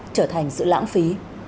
trở thành sự lãng phí